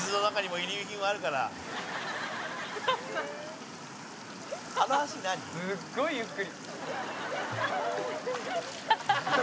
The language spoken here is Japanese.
池田：すっごいゆっくり。